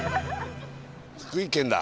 福井県だ